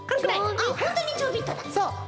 あっほんとにちょびっとだ。